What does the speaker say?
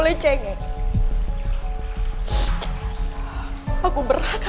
tapi musuh aku bobby